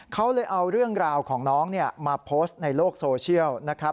เขาเลยเอาเรื่องราวของน้องมาโพสต์ในโลกโซเชียลนะครับ